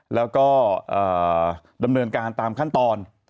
แล้วก็ดำเนินการตามขั้นตอน